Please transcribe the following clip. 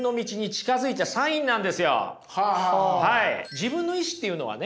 自分の意志っていうのはね